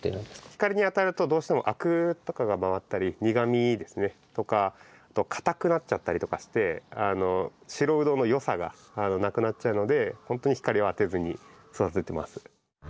光に当たるとどうしてもアクとかが回ったり苦みですねとか硬くなっちゃったりとかして白ウドの良さがなくなっちゃうのでほんとに光を当てずに育ててます。